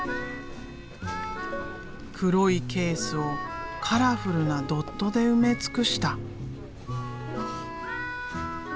黒いケースをカラフルなドットで埋め尽くした。